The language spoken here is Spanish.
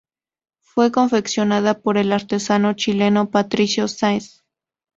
Fue confeccionada por el artesano chileno Patricio Sáez.